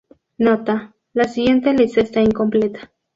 Nota: la siguiente lista está incompleta.